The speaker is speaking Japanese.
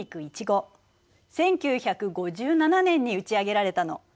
１９５７年に打ち上げられたの。